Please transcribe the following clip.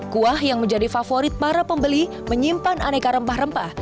kuah yang menjadi favorit para pembeli menyimpan aneka rempah rempah